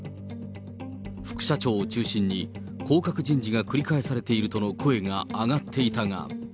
副社長を中心に、降格人事が繰り返されているとの声が上がっていたが。